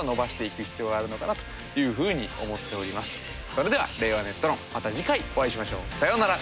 それでは「令和ネット論」また次回お会いしましょう。さようなら。